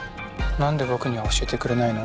なんで僕には教えてくれないの？